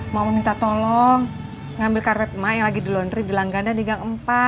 mau minta tolong ngambil karet mai yang lagi dilondri di langganda di gang empat